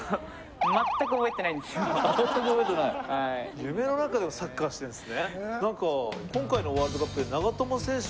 夢の中でもサッカーしてるんですね。